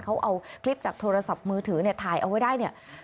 เขาเอาคลิปจากโทรศัพท์มือถือเนี่ยถ่ายเอาไว้ได้เนี่ย